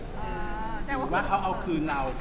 หรือว่าเขาเอาคืนเรา